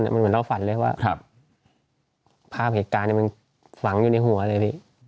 มันเหมือนเราฝันเลยว่าภาพเหตุการณ์มันฝังอยู่ในหัวเลยพี่